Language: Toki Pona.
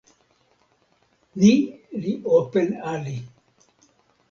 ni li open ali!